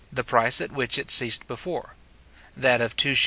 the price at which it ceased before; that of 2s:6d.